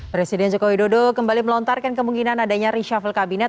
presiden joko widodo kembali melontarkan kemungkinan adanya reshuffle kabinet